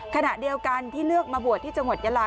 ขณะเดียวกันที่เลือกมาบวชที่จังหวัดยาลา